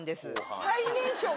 最年少が。